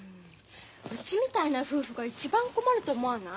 うちみたいな夫婦が一番困ると思わない？